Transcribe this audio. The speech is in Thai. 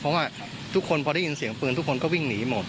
เพราะว่าทุกคนพอได้ยินเสียงปืนทุกคนก็วิ่งหนีหมด